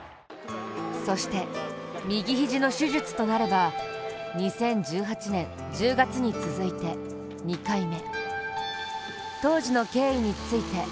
そして右肘の手術となれば２０１８年１０月に続いて２回目。